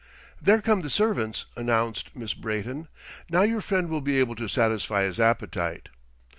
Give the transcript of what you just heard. "There come the servants," announced Miss Brayton. "Now your friend will be able to satisfy his appetite."